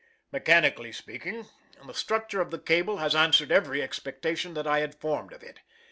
Mechanically speaking, the structure of the cable has answered every expectation that I had formed of it.